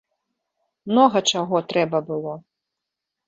Многа чаго трэба было!